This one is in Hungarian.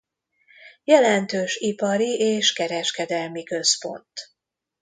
Jelentős ipari- és kereskedelmi központ.